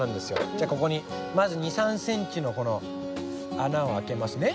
じゃここにまず２３ｃｍの穴をあけますね。